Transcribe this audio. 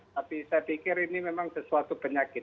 tapi saya pikir ini memang sesuatu penyakit